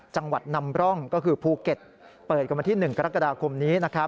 จังหวัดนำร่องก็คือภูเก็ตเปิดกันวันที่๑กรกฎาคมนี้